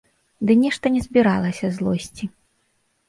Ды нешта не збіралася злосці.